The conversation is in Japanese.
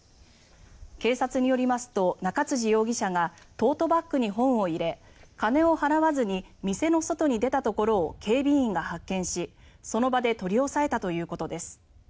警察によりますと、中辻容疑者がトートバッグに本を入れ金を払わずに店の外に出たところを警備員が発見しその場で取り押さえたということです。